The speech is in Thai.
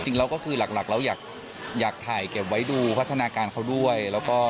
จริงแล้วก็คือหลักเราอยากถ่ายเก็บไว้ดูพัฒนาการเขาด้วยแล้วก็